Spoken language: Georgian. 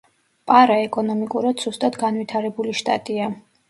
პარა ეკონომიკურად სუსტად განვითარებული შტატია.